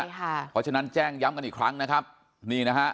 ใช่ค่ะเพราะฉะนั้นแจ้งย้ำกันอีกครั้งนะครับนี่นะฮะ